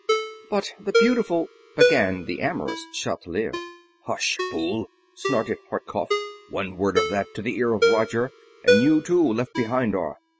"But the beautiful ..." began the amorous Chatelier. "Hush, fool!" snorted Hartkopf. "One word of that to the ear of Roger and you too left behind are.